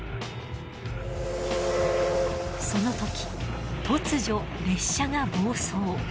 その時突如列車が暴走。